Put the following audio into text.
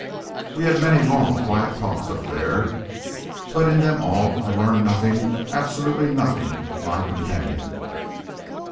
We had many long, quiet talks up there; but in them all I learned nothing, absolutely nothing, of my companion.